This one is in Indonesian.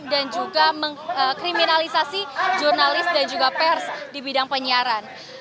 juga mengkriminalisasi jurnalis dan juga pers di bidang penyiaran